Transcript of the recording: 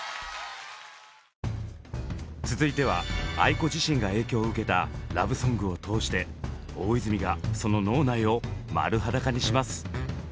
続いてはａｉｋｏ自身が影響を受けたラブソングを通して大泉がその脳内を丸裸にします。